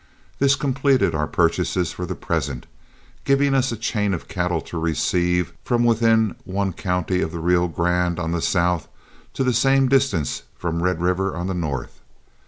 This completed our purchases for the present, giving us a chain of cattle to receive from within one county of the Rio Grande on the south to the same distance from Red River on the north.